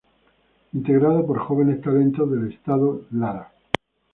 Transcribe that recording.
Integrado por jóvenes talentos del estado Lara.